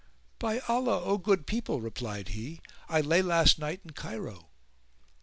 [FN#434] "By Allah, O good people," replied he, "I lay last night in Cairo."